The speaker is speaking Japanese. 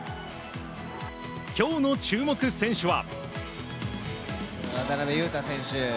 今日の注目選手は？